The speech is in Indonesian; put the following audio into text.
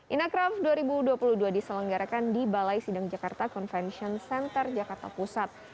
inacraft dua ribu dua puluh dua diselenggarakan di balai sidang jakarta convention center jakarta pusat